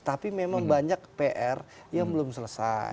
tapi memang banyak pr yang belum selesai